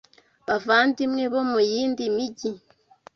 Bavandimwe bo mu yindi mijyi